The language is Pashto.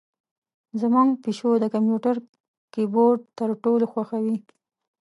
زمونږ پیشو د کمپیوتر کیبورډ تر ټولو خوښوي.